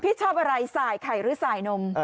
ชอบอะไรสายไข่หรือสายนม